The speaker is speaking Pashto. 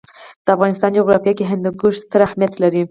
د افغانستان جغرافیه کې هندوکش ستر اهمیت لري.